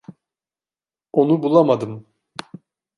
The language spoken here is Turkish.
Onu bulamadım.